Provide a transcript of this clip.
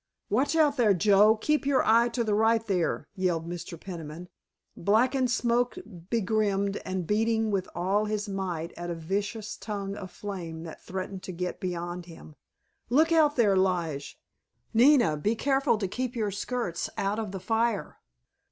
"Watch out there, Joe, keep your eye to the right there," yelled Mr. Peniman, black and smoke begrimed and beating with all his might at a vicious tongue of flame that threatened to get beyond him. "Look out there, Lige! Nina, be careful to keep your skirts out of the fire!